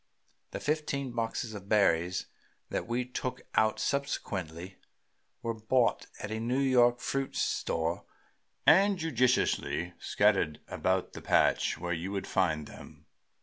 The fifteen boxes of berries that we took out subsequently were bought at a New York fruit store and judiciously scattered about the patch where you would find them.